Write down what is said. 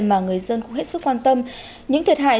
mà người dân cũng hết sức quan tâm những thiệt hại